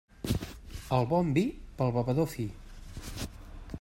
El bon vi, pel bevedor fi.